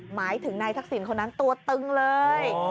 หมายถึงนายทักษิณคนนั้นตัวตึงเลย